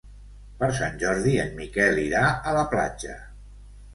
Per Sant Jordi en Miquel irà a la platja.